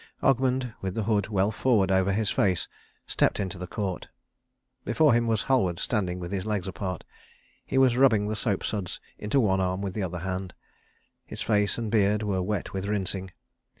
Ogmund with the hood well forward over his face stepped into the court. Before him was Halward, standing with his legs apart. He was rubbing the soap suds into one arm with the other hand. His face and beard were wet with rinsing.